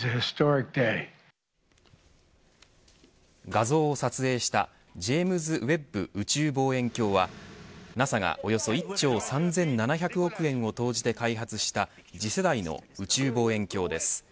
画像を撮影したジェームズ・ウェッブ宇宙望遠鏡はＮＡＳＡがおよそ１兆３７００億円を投じて開発した次世代の宇宙望遠鏡です。